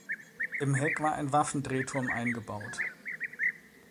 Im Heck war ein Waffen-Drehturm eingebaut.